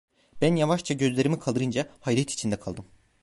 Ben yavaşça gözlerimi kaldırınca, hayret içinde kaldım.